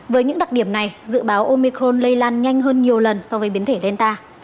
với những đặc điểm này dự báo omicron lây lan nhanh hơn nhiều lần so với biến thể gelta